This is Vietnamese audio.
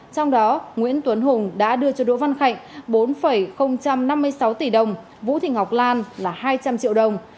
trong đó nguyễn tuấn hùng đã đưa cho đỗ văn khạnh bốn năm mươi sáu tỷ đồng vũ thị ngọc lan là hai trăm linh triệu đồng